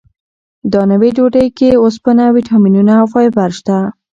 دا نوې ډوډۍ کې اوسپنه، ویټامینونه او فایبر شته.